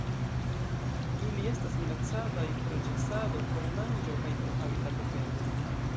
Ili estas minacataj pro ĉasado por manĝo kaj pro habitatoperdo.